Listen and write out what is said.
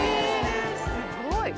すごい！